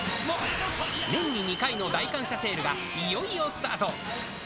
年に２回の大感謝セールが、いよいよスタート。